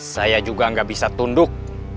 saya juga nggak bisa tunduk